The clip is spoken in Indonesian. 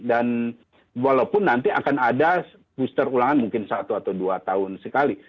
dan walaupun nanti akan ada booster ulangan mungkin satu atau dua tahun sekali